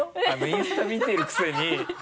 インスタ見てるくせに。